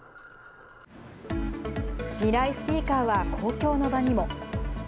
ミライスピーカーは公共の場にも。